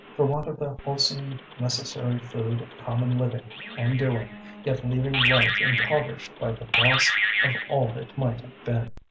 for want of the wholesome necessary food of common living and doing, yet leaving life impoverished by the loss of all it might have been.